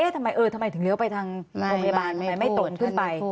ทำไมถึงเลี้ยวไปทางโรงพยาบาลทำไมไม่ตรงขึ้นไป